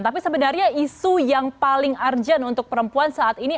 tapi sebenarnya isu yang paling urgent untuk perempuan saat ini